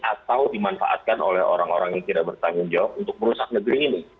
atau dimanfaatkan oleh orang orang yang tidak bertanggung jawab untuk merusak negeri ini